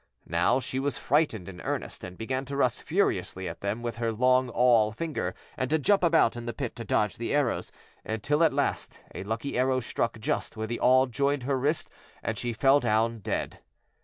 Now she was frightened in earnest, and began to rush furiously at them with her long awl finger and to jump about in the pit to dodge the arrows, until at last a lucky arrow struck just where the awl joined her wrist and she fell down dead.